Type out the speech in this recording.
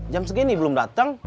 jam segini belum datang